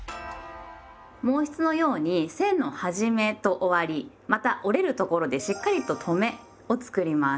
毛筆のように線の始めと終わりまた折れるところでしっかりと「とめ」を作ります。